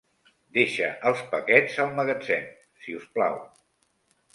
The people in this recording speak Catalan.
Deixa els paquets al magatzem, si us plau.